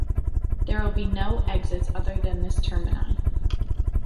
There will be no exits other than its termini.